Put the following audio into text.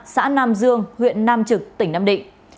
xã nam dương huyện nam trực tỉnh nam định